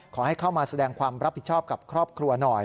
ขอให้เข้ามาแสดงความรับผิดชอบกับครอบครัวหน่อย